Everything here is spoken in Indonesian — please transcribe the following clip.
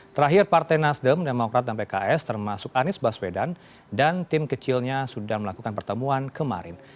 terakhir partai nasdem demokrat dan pks termasuk anies baswedan dan tim kecilnya sudah melakukan pertemuan kemarin